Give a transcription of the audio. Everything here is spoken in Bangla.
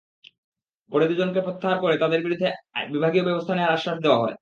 পরে দুজনকে প্রত্যাহার করে তাঁদের বিরুদ্ধে বিভাগীয় ব্যবস্থা নেওয়ার আশ্বাস দেওয়া হয়।